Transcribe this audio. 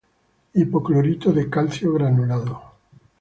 Hipoclorito de calcio granulado.